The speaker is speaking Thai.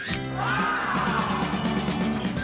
ว้าว